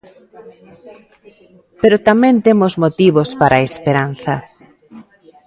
Pero tamén temos motivos para a esperanza.